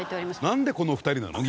なんでこの２人なの？